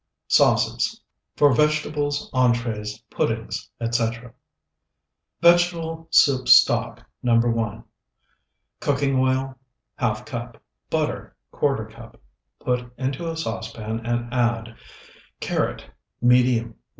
SAUCES For Vegetables, Entrees, Puddings, Etc. VEGETABLE SOUP STOCK NO. 1 Cooking oil, ½ cup. Butter, ¼ cup. Put into a saucepan and add Carrot, medium, 1.